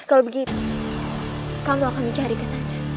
kalau begitu kamu akan mencari kesan